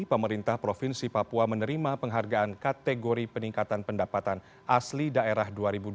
pemerintah provinsi papua menerima penghargaan kategori peningkatan pendapatan asli daerah dua ribu dua puluh